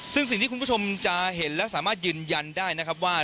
ซึ่งสิ่งที่คุณผู้ชมจะเห็นและสามารถยืนยันได้นะครับว่า